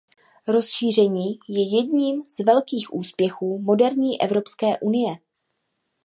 Rozšíření je jedním z velkých úspěchů moderní Evropské unie.